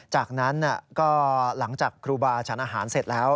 จากนั้นก็หลังจากครูบาฉันอาหารเสร็จแล้ว